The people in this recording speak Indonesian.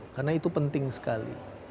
karena itu penting sekali